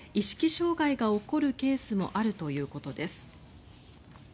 障害が起こるケースもあるということです。